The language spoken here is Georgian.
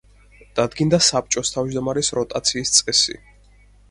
დადგინდა საბჭოს თავჯდომარის როტაციის წესი.